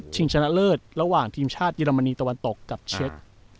ชนะเลิศระหว่างทีมชาติเยอรมนีตะวันตกกับเช็ค